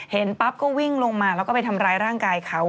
ปั๊บก็วิ่งลงมาแล้วก็ไปทำร้ายร่างกายเขา